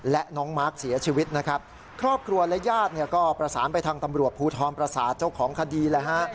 และน้องมาร์คเสียชีวิตนะครับครอบครัวและญาติเนี่ยก็ประสานไปทางตำรวจภูทรประสาทเจ้าของคดีเลยฮะ